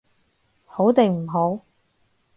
好定唔好？